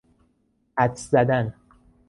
حدس زدن